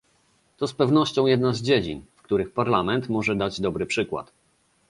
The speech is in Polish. To z pewnością jedna z dziedzin, w których Parlament może dać dobry przykład